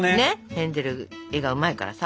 ヘンゼル絵がうまいからさ。